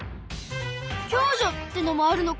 共助ってのもあるのか。